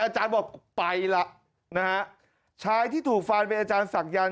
อาจารย์บอกไปล่ะนะฮะชายที่ถูกฟันเป็นอาจารย์ศักยันต